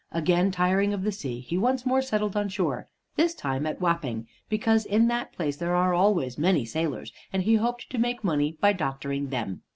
Again tiring of the sea, he once more settled on shore, this time at Wapping, because in that place there are always many sailors, and he hoped to make money by doctoring them.